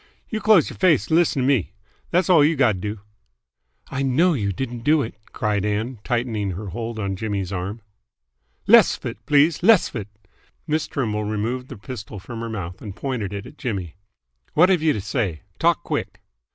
"You close y'r face 'n lissen t' me. Thass all you've gotta do." "I know you didn't do it!" cried Ann, tightening her hold on Jimmy's arm. "Less 'f it, please. Less 'f it!" Miss Trimble removed the pistol from her mouth and pointed it at Jimmy. "What've you to say? Talk quick!"